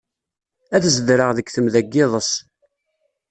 Ad zedreɣ deg temda n yiḍes.